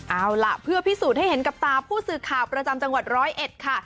เอาล่ะเพื่อพิสูจน์ให้เห็นกับตาผู้สื่อข่าวประจำจังหวัดร้อยเอ็ดค่ะ